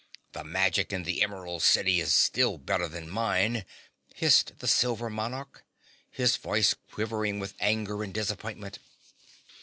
"The magic in the Emerald City is still better than mine," hissed the Silver Monarch, his voice quivering with anger and disappointment.